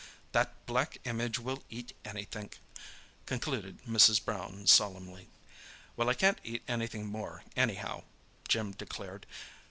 That black image will eat anythink," concluded Mrs. Brown solemnly. "Well, I can't eat anything more, anyhow," Jim declared.